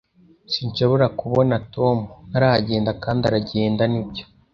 Sinshobora kubona Tom. Ntaragenda kandi aragenda, nibyo?